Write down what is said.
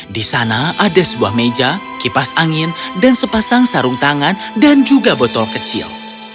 di sana ada sebuah meja kipas angin dan sepasang sarung tangan dan juga botol kecil